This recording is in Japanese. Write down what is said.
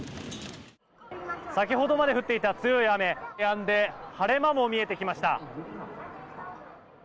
先ほどまで降っていた強い雨がやんで晴れ間も見えてきました。